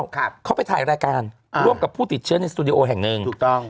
ครับเขาไปถ่ายรายการร่วมกับผู้ติดเชื้อในสตูดิโอแห่งหนึ่งถูกต้อง